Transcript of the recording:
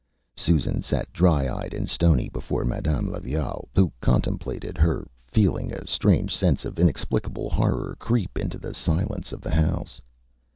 Â Susan sat dry eyed and stony before Madame Levaille, who contemplated her, feeling a strange sense of inexplicable horror creep into the silence of the house.